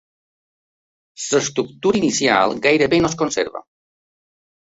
L'estructura inicial gairebé no es conserva.